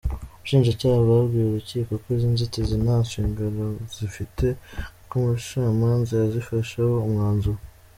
Ubushinjacyaha bwabwiye urukiko ko izi nzitizi nta shingiro zifite kuko umucamanza yazifasheho umwanzuro.